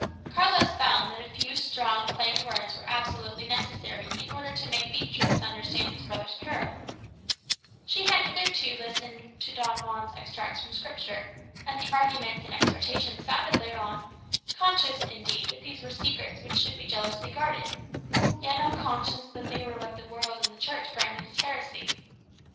Carlos found that a few strong, plain words were absolutely necessary in order to make Beatrix understand his brother's peril. She had listened hitherto to Don Juan's extracts from Scripture, and the arguments and exhortations founded thereon, conscious, indeed, that these were secrets which should be jealously guarded, yet unconscious that they were what the Church and the world branded as heresy.